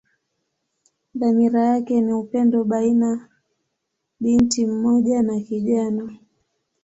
Dhamira yake ni upendo baina binti mmoja na kijana.